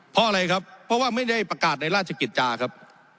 เพราะอะไรครับเพราะว่าไม่ได้ประกาศในราชกิจจาครับ